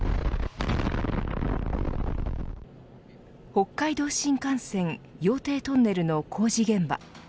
北海道新幹線羊蹄トンネルの工事現場。